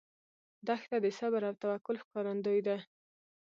دښته د صبر او توکل ښکارندوی ده.